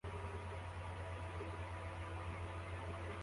Itsinda ryabantu bicaye muruziga hamwe numuyobozi